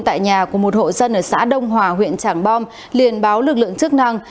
tại nhà của một hộ dân ở xã đông hòa huyện trảng bom liên báo lực lượng chức năng